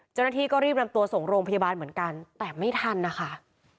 เจ้าหน้าที่ก็รีบนำตัวส่งโรงพยาบาลเหมือนกันแต่ไม่ทันนะคะ